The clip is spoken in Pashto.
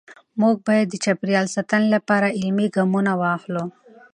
موږ باید د چاپېریال ساتنې لپاره عملي ګامونه واخلو